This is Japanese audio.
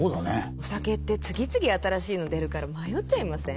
お酒って次々新しいの出るから迷っちゃいません？